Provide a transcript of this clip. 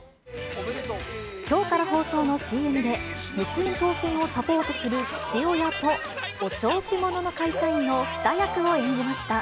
きょうから放送のＣＭで、娘の挑戦をサポートする父親と、お調子者の会社員の二役を演じました。